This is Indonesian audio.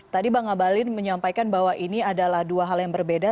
tadi bang abalin menyampaikan bahwa ini adalah dua hal yang berbeda